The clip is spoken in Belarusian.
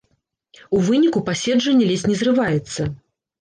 У выніку паседжанне ледзь не зрываецца.